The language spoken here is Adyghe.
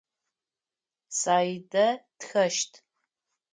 Саидэ тхэщт.